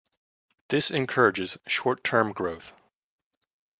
This encourages short-term growth.